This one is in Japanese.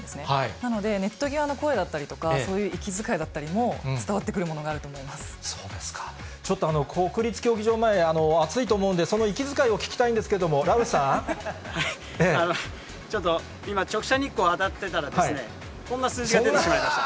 なので、ネット際の声だったりとか、そういう息づかいだったりも、伝わってくるものがあると思いまちょっと国立競技場前、暑いと思うんで、その息遣いを聞きたいんですけれども、ラルフさちょっと、今、直射日光当たってたらですね、こんな数字が出てしまいました。